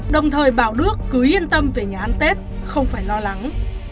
đồng thời bảo đước cứ yên tâm về nhà ăn tết không phải lo lắng